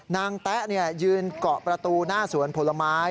แต๊ะยืนเกาะประตูหน้าสวนผลไม้